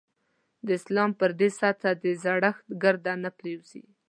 د اسلام پر دې سطح د زړښت ګرد نه پرېوځي.